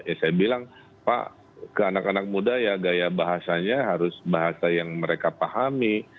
ya saya bilang pak ke anak anak muda ya gaya bahasanya harus bahasa yang mereka pahami